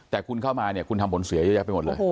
แต่คุณเข้ามาเนี่ยคุณทำผลเสียเยอะแยะไปหมดเลย